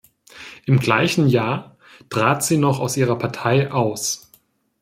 Im gleichen Jahr trat sie noch aus ihrer Partei aus.